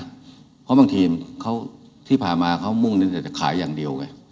เพราะบางทีมที่ผ่านมาเขามุ่งหนึ่งแต่จะขายอย่างเดียวไง